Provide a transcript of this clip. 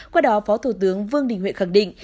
qua đó phó thủ tướng vương đình huệ khẳng định